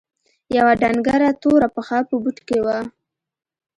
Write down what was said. يوه ډنګره توره پښه په بوټ کښې وه.